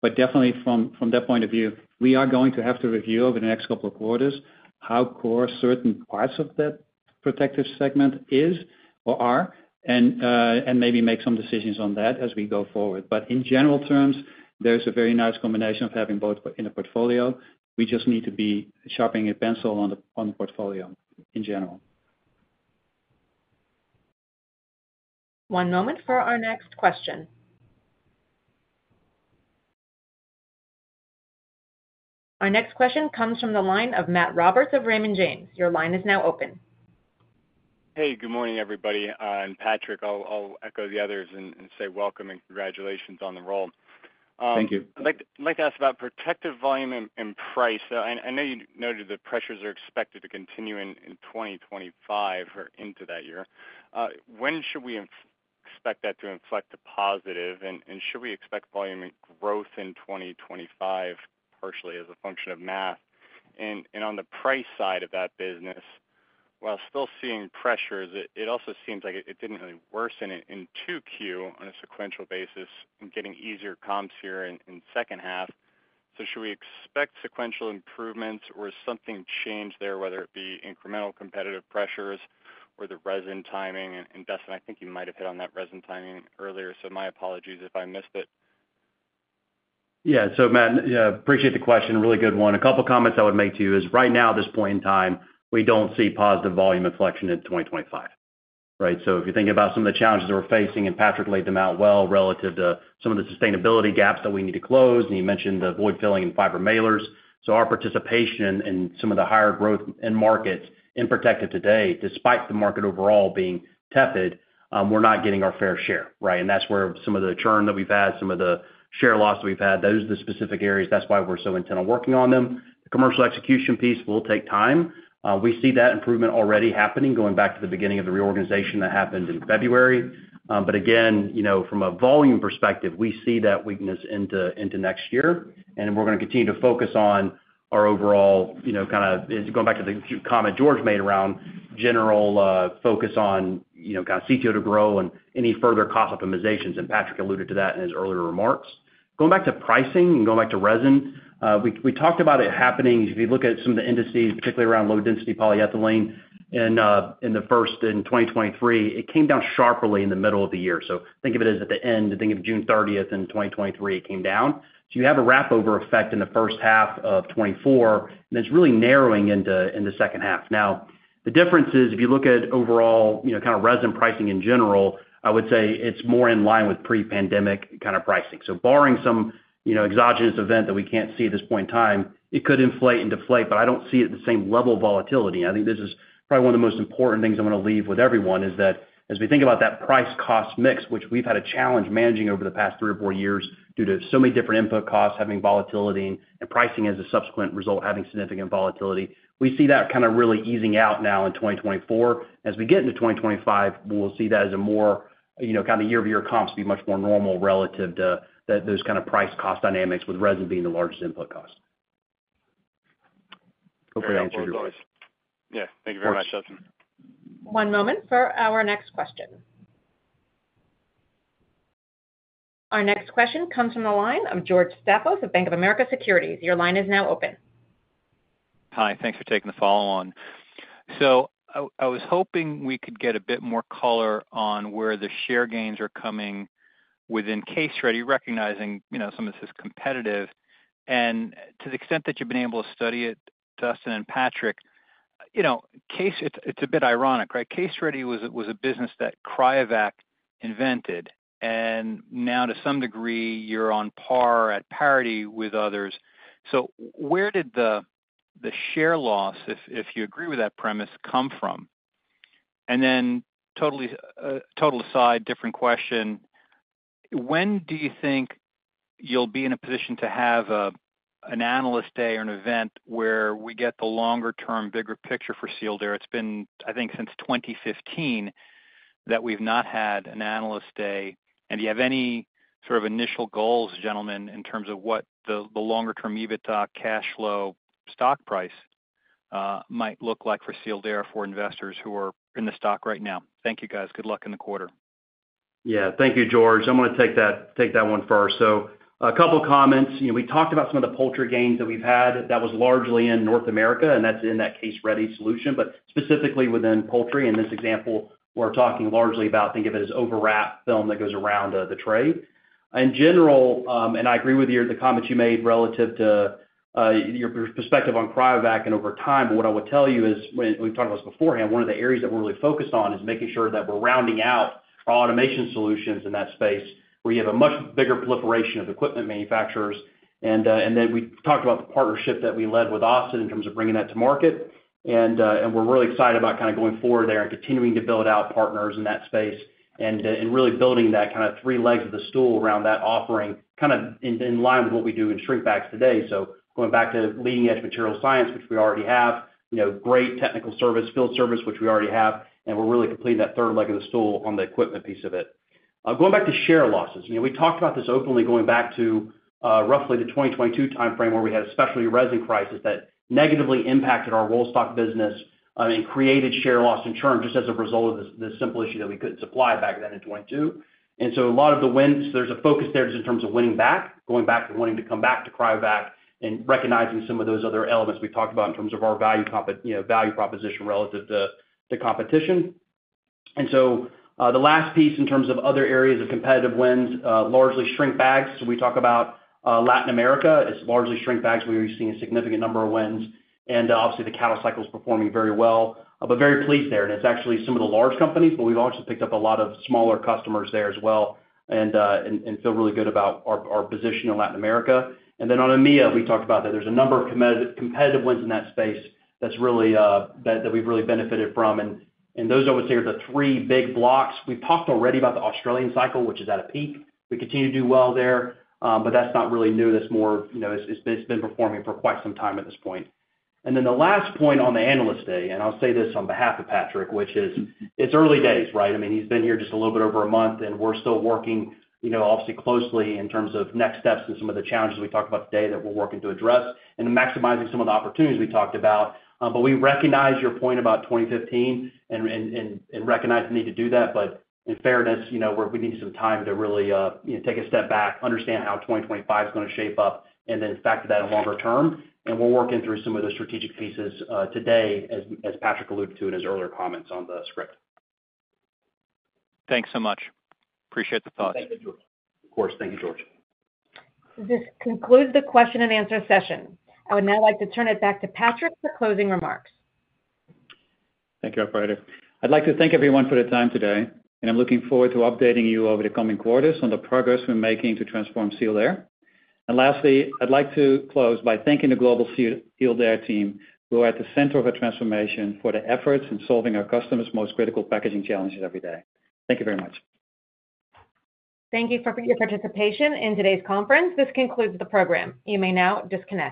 But definitely from that point of view, we are going to have to review over the next couple of quarters how core certain parts of that Protective segment is or are, and maybe make some decisions on that as we go forward. But in general terms, there's a very nice combination of having both in a portfolio. We just need to be sharpening a pencil on the portfolio in general. One moment for our next question. Our next question comes from the line of Matt Roberts of Raymond James. Your line is now open. Hey, good morning, everybody. Patrick, I'll echo the others and say welcome and congratulations on the role. Thank you. I'd like to ask about Protective volume and price. I know you noted the pressures are expected to continue in 2025 or into that year. When should we expect that to inflect to positive, and should we expect volume and growth in 2025, partially as a function of math? And on the price side of that business, while still seeing pressures, it also seems like it didn't really worsen in 2Q on a sequential basis and getting easier comps here in second half. So should we expect sequential improvements or has something changed there, whether it be incremental competitive pressures or the resin timing? And Dustin, I think you might have hit on that resin timing earlier, so my apologies if I missed it. Yeah. So Matt, appreciate the question. Really good one. A couple comments I would make to you is, right now, at this point in time, we don't see positive volume inflection in 2025, right? So if you think about some of the challenges that we're facing, and Patrick laid them out well, relative to some of the sustainability gaps that we need to close, and you mentioned the void filling and fiber mailers. So our participation in some of the higher growth end markets in Protective today, despite the market overall being tepid, we're not getting our fair share, right? And that's where some of the churn that we've had, some of the share loss that we've had, those are the specific areas, that's why we're so intent on working on them. The commercial execution piece will take time. We see that improvement already happening, going back to the beginning of the reorganization that happened in February. But again, you know, from a volume perspective, we see that weakness into next year, and we're gonna continue to focus on our overall, you know, kind of; It's going back to the comment George made around general focus on, you know, kind of CTO to grow and any further cost optimizations, and Patrick alluded to that in his earlier remarks. Going back to pricing and going back to resin, we talked about it happening. If you look at some of the indices, particularly around low-density polyethylene in the first in 2023, it came down sharply in the middle of the year. So think of it as at the end. Think of June thirtieth in 2023, it came down. So you have a wrap-over effect in the first half of 2024, and it's really narrowing into in the second half. Now, the difference is, if you look at overall, you know, kind of resin pricing in general, I would say it's more in line with pre-pandemic kind of pricing. So barring some, you know, exogenous event that we can't see at this point in time, it could inflate and deflate, but I don't see it at the same level of volatility. I think this is probably one of the most important things I'm gonna leave with everyone, is that as we think about that price cost mix, which we've had a challenge managing over the past three or four years due to so many different input costs, having volatility and pricing as a subsequent result, having significant volatility, we see that kind of really easing out now in 2024. As we get into 2025, we'll see that as a more, you know, kind of year-over-year comps be much more normal relative to that, those kind of price cost dynamics with resin being the largest input cost. Hopefully, I answered your question. Yeah. Thank you very much, Dustin. One moment for our next question. Our next question comes from the line of George Staphos of Bank of America Securities. Your line is now open. Hi, thanks for taking the follow on. So I was hoping we could get a bit more color on where the share gains are coming within Case-Ready, recognizing, you know, some of this is competitive. And to the extent that you've been able to study it, Dustin and Patrick, you know, case it's a bit ironic, right? Case-Ready was a business that Cryovac invented, and now to some degree, you're on par, at parity with others. So where did the share loss, if you agree with that premise, come from? And then, totally, total aside, different question: When do you think you'll be in a position to have an analyst day or an event where we get the longer term, bigger picture for Sealed Air? It's been, I think, since 2015, that we've not had an analyst day. Do you have any sort of initial goals, gentlemen, in terms of what the longer term EBITDA cash flow stock price might look like for Sealed Air, for investors who are in the stock right now? Thank you, guys. Good luck in the quarter. Yeah. Thank you, George. I'm gonna take that, take that one first. So a couple comments. You know, we talked about some of the poultry gains that we've had that was largely in North America, and that's in that case-ready solution, but specifically within poultry. In this example, we're talking largely about, think of it as overwrap film that goes around the tray. In general, and I agree with you, the comments you made relative to your perspective on Cryovac and over time. But what I would tell you is, when we've talked about this beforehand, one of the areas that we're really focused on is making sure that we're rounding out our automation solutions in that space, where you have a much bigger proliferation of equipment manufacturers. and then we talked about the partnership that we led with Ossid in terms of bringing that to market. And we're really excited about kind of going forward there and continuing to build out partners in that space and really building that kind of three legs of the stool around that offering, kind of in line with what we do in shrink bags today. So going back to leading-edge material science, which we already have, you know, great technical service, field service, which we already have, and we're really completing that third leg of the stool on the equipment piece of it. Going back to share losses. You know, we talked about this openly going back to roughly the 2022 timeframe, where we had a specialty resin crisis that negatively impacted our rollstock business, and created share loss in turn, just as a result of this, this simple issue that we couldn't supply back then in 2022. And so a lot of the wins, there's a focus there just in terms of winning back, going back and winning to come back to Cryovac and recognizing some of those other elements we talked about in terms of our value prop—you know, value proposition relative to, to competition. And so, the last piece in terms of other areas of competitive wins, largely shrink bags. So we talk about, Latin America, it's largely shrink bags, where we've seen a significant number of wins, and obviously, the cattle cycle is performing very well. But very pleased there, and it's actually some of the large companies, but we've also picked up a lot of smaller customers there as well, and feel really good about our position in Latin America. And then on EMEA, we talked about that. There's a number of competitive wins in that space that's really that we've really benefited from. And those, I would say, are the three big blocks. We've talked already about the Australian cycle, which is at a peak. We continue to do well there, but that's not really new. That's more, you know, it's been performing for quite some time at this point. And then the last point on the analyst day, and I'll say this on behalf of Patrick, which is it's early days, right? I mean, he's been here just a little bit over a month, and we're still working, you know, obviously, closely in terms of next steps and some of the challenges we talked about today that we're working to address, and then maximizing some of the opportunities we talked about. But we recognize your point about 2015 and recognize the need to do that. But in fairness, you know, we're, we need some time to really, you know, take a step back, understand how 2025 is gonna shape up, and then factor that in longer term. And we're working through some of those strategic pieces, today, as Patrick alluded to in his earlier comments on the script. Thanks so much. Appreciate the thought. Thank you, George. Of course. Thank you, George. This concludes the question and answer session. I would now like to turn it back to Patrick for closing remarks. Thank you, operator. I'd like to thank everyone for their time today, and I'm looking forward to updating you over the coming quarters on the progress we're making to transform Sealed Air. Lastly, I'd like to close by thanking the global Sealed Air team, who are at the center of our transformation, for the efforts in solving our customers' most critical packaging challenges every day. Thank you very much. Thank you for your participation in today's conference. This concludes the program. You may now disconnect.